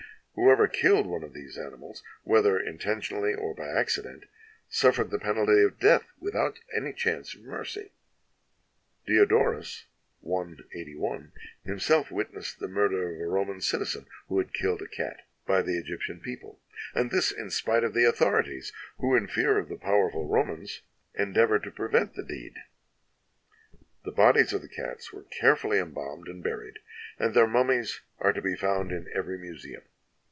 Whoever killed one of these animals, whether intentionally or by accident, suffered the penalty of death, without any chance of mercy. Diodorus (i, 8i) himself witnessed the murder of a Roman citizen who had killed a cat, by the Egj'ptian people; and this in spite of the authorities, who, in fear of the powerful Romans, endeavored to prevent the deed. The bodies of the cats were carefully embalmed and buried, and their mummies are to be found in every museum.